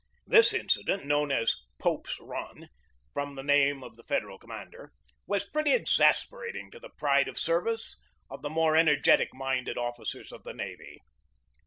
This incident, known as "Pope's Run," from the name of the Federal com mander, was pretty exasperating to the pride of service of the more energetic minded officers of the navy.